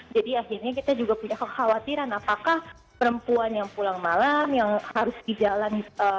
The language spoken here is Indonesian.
jadi akhirnya kita juga punya kekhawatiran apakah perempuan yang pulang malam yang harus di jalan